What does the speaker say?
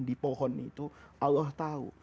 di pohon itu allah tahu